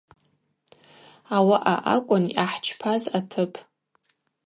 Ауаъа акӏвын йъахӏчпаз атып.